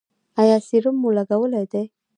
ایا سیروم مو لګولی دی؟